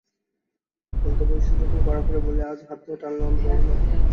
বলতে বসেছি যখন কড়া করেই বলি, আজ হাত ধরে টানলেও আমি যাব না।